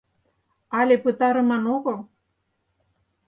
Але пытарыман огыл.